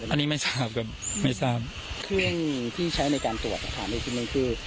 อันนี้ไม่ทราบครับไม่ทราบเครื่องที่ใช้ในการตรวจนะคะในคลิปนั้นคือ